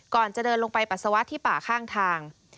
ก่อนจะเดินลงไปปัสสาวะที่ป่าข้างทาง